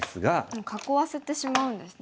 もう囲わせてしまうんですね。